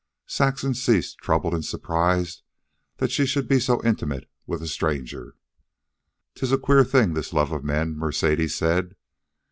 Saxon ceased, troubled and surprised that she should be so intimate with a stranger. "'Tis a queer thing, this love of men," Mercedes said.